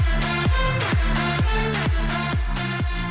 wah ini khas suara